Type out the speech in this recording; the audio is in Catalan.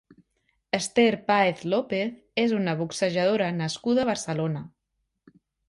Esther Paez López és una boxejadora nascuda a Barcelona.